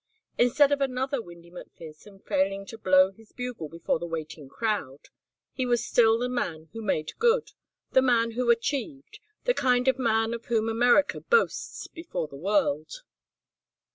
Instead of another Windy McPherson failing to blow his bugle before the waiting crowd, he was still the man who made good, the man who achieved, the kind of man of whom America boasts before the world.